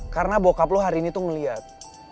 karena bokap lo hari ini tuh ngeliat